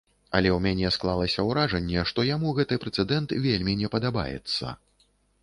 Але ў мяне склалася ўражанне, што яму гэты прэцэдэнт вельмі не падабаецца.